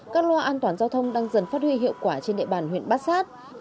các loa an toàn giao thông đang dần phát huy hiệu quả trên địa bàn huyện bát sát